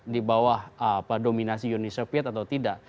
di bawah dominasi unisoviet atau tidak